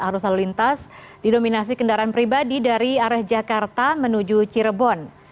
arus lalu lintas didominasi kendaraan pribadi dari arah jakarta menuju cirebon